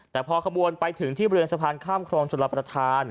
แต่พอขบวนไปถึงที่บริเวณสะพานข้ามครองชลประธาน